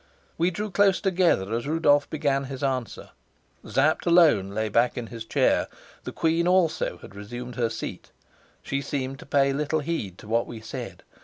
We drew close together as Rudolf began his answer. Sapt alone lay back in his chair. The queen also had resumed her seat; she seemed to pay little heed to what we said.